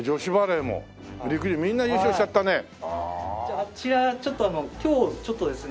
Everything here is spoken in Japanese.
あちらちょっと今日ちょっとですね